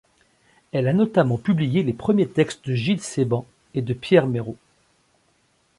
Elle a notamment publié les premiers textes de Gilles Sebhan et de Pierre Mérot.